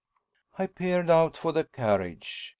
I peered about for the carriage.